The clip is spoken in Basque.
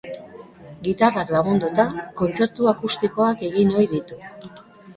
Gitarrak lagunduta, kontzertu akustikoak egin ohi ditu.